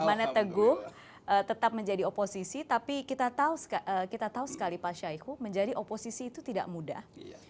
dimana teguh tetap menjadi oposisi tapi kita tahu sekali pak syahiku menjadi oposisi itu tidak mudah